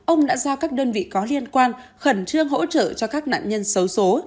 ông đã giao các đơn vị có liên quan khẩn trương hỗ trợ cho các nạn nhân xấu xố